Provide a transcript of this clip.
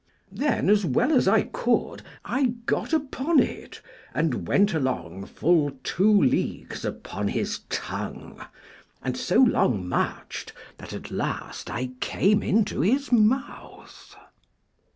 Then, as well as I could, I got upon it, and went along full two leagues upon his tongue, and so long marched that at last I came into his mouth.